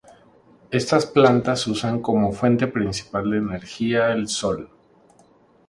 Estas plantas usan como fuente principal de energía el Sol.